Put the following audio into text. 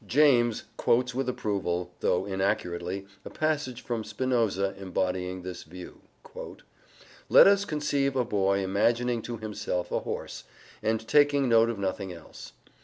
James (Psychology, vol. ii, p. 288) quotes with approval, though inaccurately, a passage from Spinoza embodying this view: "Let us conceive a boy imagining to himself a horse, and taking note of nothing else.